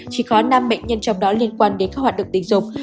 chỉ có năm bệnh nhân trong đó liên quan đến các hoạt động tình dục